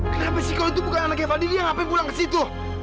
kenapa sih kalau itu bukan anaknya fadil yang hape pulang ke situ